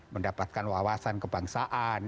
mendapatkan wawasan kebangsaan